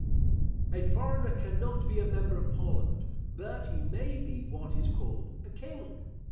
A foreigner cannot be a member of Parliament, but he may be what is called a king.